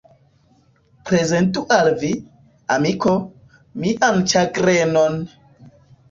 Prezentu al vi, amiko, mian ĉagrenon!